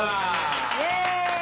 イエイ！